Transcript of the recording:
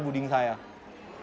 itu keringin kuding saya